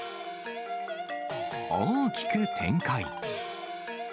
大きく展開。